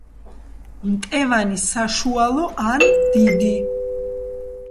მტევანი საშუალო ან დიდი.